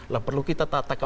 lalu perlu kita tatakan